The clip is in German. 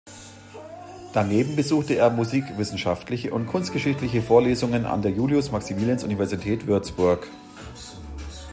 Daneben besuchte er musikwissenschaftliche und kunstgeschichtliche Vorlesungen an der Julius-Maximilians-Universität Würzburg.